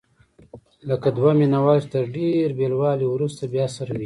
لکه دوه مینه وال چې تر ډېر بېلوالي وروسته بیا سره ویني.